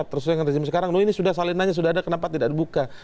terus yang rezim sekarang ini sudah saling nanya sudah ada kenapa tidak dibuka